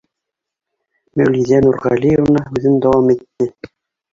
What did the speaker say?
Мәүлиҙә Нурғәлиевна һүҙен дауам итте: